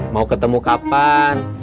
mau ketemu kapan